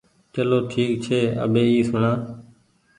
چلو ٺيڪ ڇي اٻي اي سوڻآ